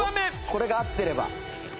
これが合ってれば。